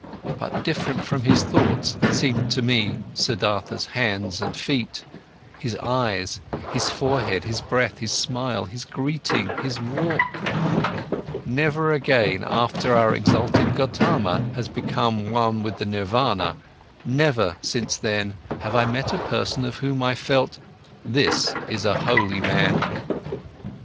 But different from his thoughts seemed to me Siddhartha's hands and feet, his eyes, his forehead, his breath, his smile, his greeting, his walk. Never again, after our exalted Gotama has become one with the Nirvana, never since then have I met a person of whom I felt: this is a holy man!